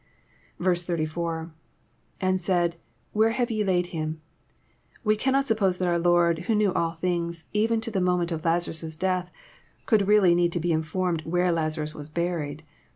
84. — lAnd said. Where have ye laid himf] We cannot suppose that our Lord, who knew all things, even to the moment of Lazarus' death could really need to be informed where Lazarus was buried.